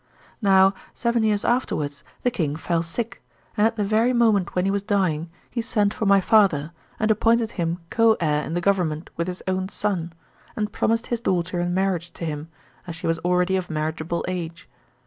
Now seven years afterwards the king fell sick, and at the very moment when he was dying, he sent for my father, and appointed him co heir in the government with 'his own son, and promised his daughter in marriage to him as she was already of marriageable age.